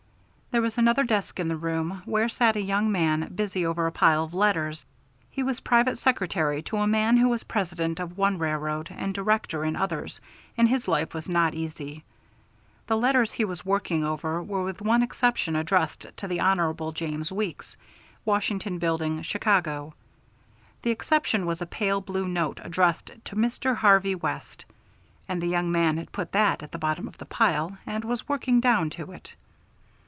There was another desk in the room, where sat a young man busy over a pile of letters. He was private secretary to a man who was president of one railroad and director in others, and his life was not easy. The letters he was working over were with one exception addressed to the Hon. James Weeks, Washington Building, Chicago. The exception was a pale blue note addressed to Mr. Harvey West, and the young man had put that at the bottom of the pile and was working down to it.